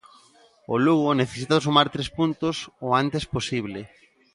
O Lugo necesita sumar tres puntos o antes posible.